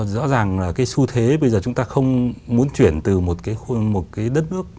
rõ ràng là cái xu thế bây giờ chúng ta không muốn chuyển từ một cái đất nước